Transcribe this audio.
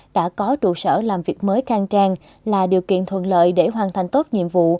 đã có trụ sở làm việc mới khang trang là điều kiện thuận lợi để hoàn thành tốt nhiệm vụ